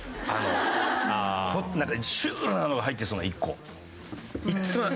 なんかシュールなのが入ってそう１個。